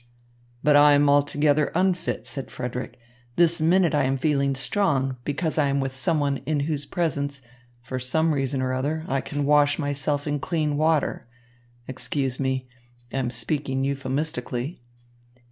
"But I am altogether unfit," said Frederick. "This minute I am feeling strong, because I am with someone in whose presence, for some reason or other, I can wash myself in clean water excuse me, I am speaking euphemistically."